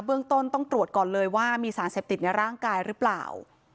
เรื่องต้นต้องตรวจก่อนเลยว่ามีสารเสพติดในร่างกายหรือเปล่า